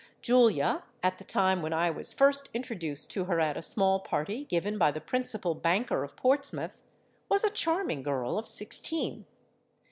Julia, at the time when I was first introduced to her at a small party given by the principal banker of Portsmouth, was a charming girl of sixteen.